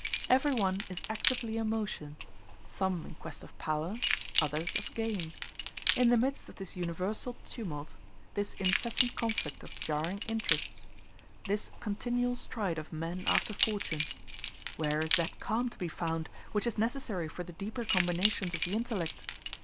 Everyone is actively in motion: some in quest of power, others of gain. In the midst of this universal tumult this incessant conflict of jarring interests this continual stride of men after fortune where is that calm to be found which is necessary for the deeper combinations of the intellect?